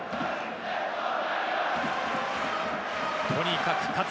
とにかく勝つ。